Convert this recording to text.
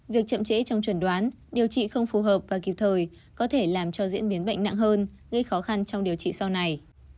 việc chậm trễ trong chuẩn đoán điều trị không phù hợp và kịp thời có thể làm cho diễn biến bệnh nặng hơn gây khó khăn trong điều trị sau này